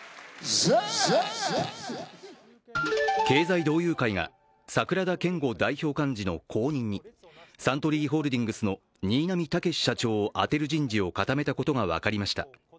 経済同友会が櫻田謙悟代表幹事の後任に、サントリーホールディングスの新浪剛史社長を充てる人事を固めたことが分かりました。